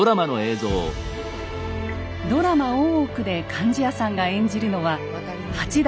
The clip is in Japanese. ドラマ「大奥」で貫地谷さんが演じるのは８代